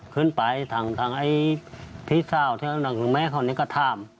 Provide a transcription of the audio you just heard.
ขึ้นไปทางไอ้พี่เศร้าที่เอาหนังถึงแม่เขาเนี่ยก็ถาม